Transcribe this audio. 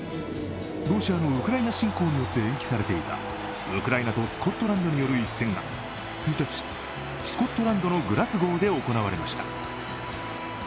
ロシアのウクライナ侵攻によって延期されていたウクライナとスコットランドによる一戦が１日、スコットランドのグラスゴーで行われました。